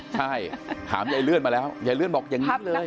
ใช่ถามยายเลื่อนมาแล้วยายเลื่อนบอกอย่างนี้เลย